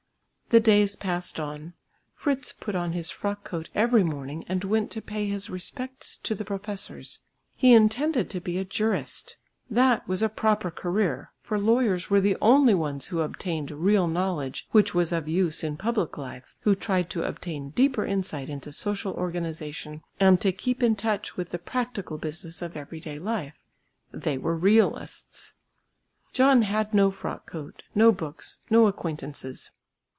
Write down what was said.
The days passed on. Fritz put on his frock coat every morning and went to pay his respects to the professors. He intended to be a jurist; that was a proper career, for lawyers were the only ones who obtained real knowledge which was of use in public life, who tried to obtain deeper insight into social organisation and to keep in touch with the practical business of everyday life. They were realists. John had no frock coat, no books, no acquaintances.